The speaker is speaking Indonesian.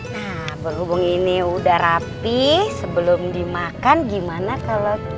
nah berhubung ini udah rapi sebelum dimakan gimana kalau